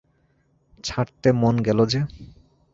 ছাড়তে মন গেল যে?